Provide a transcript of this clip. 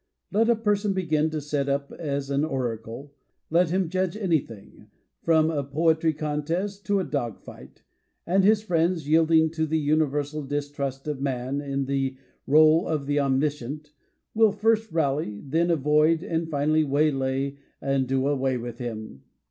Let a person begin to set up as an oracle, let him judge anything — from a poetry contest to a dog fight — and his friends, yielding to the uni versal distrust of man in the r61e of the omniscient, will first rally, then avoid, and finally waylay and do away with him.